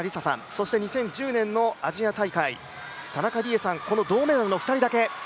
そして、２０１０年のアジア大会田中理恵さんこの銅メダルの２人だけ。